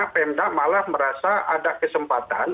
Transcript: pemda malah merasa ada kesempatan